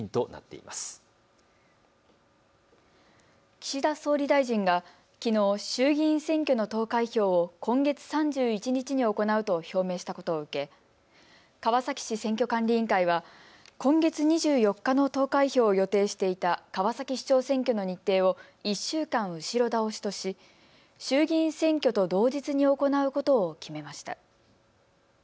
岸田総理大臣がきのう衆議院選挙の投開票を今月３１日に行うと表明したことを受け川崎市選挙管理委員会は今月２４日の投開票を予定していた川崎市長選挙の日程を１週間、後ろ倒しとし衆議院選挙と同日に行うことを決めました。